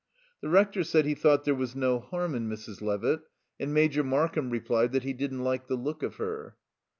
The Rector said he thought there was no harm in Mrs. Levitt, and Major Markham replied that he didn't like the look of her.